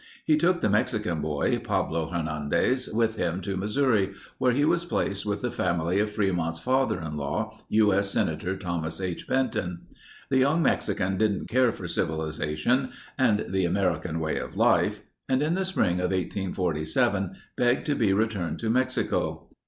He took the Mexican boy, Pablo Hernandez, with him to Missouri where he was placed with the family of Fremont's father in law, U. S. Senator Thomas H. Benton. The young Mexican didn't care for civilization and the American way of life and in the spring of 1847 begged to be returned to Mexico.